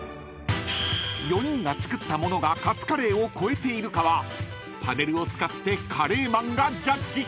［４人が作った物がカツカレーを超えているかはパネルを使ってカレーマンがジャッジ］